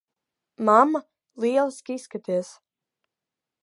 Mamma, lieliski izskaties.